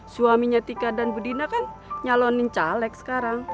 suaminya tika dan bu dina kan nyalonin caleg sekarang